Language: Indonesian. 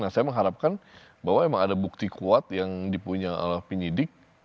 nah saya mengharapkan bahwa memang ada bukti kuat yang dipunya oleh penyidik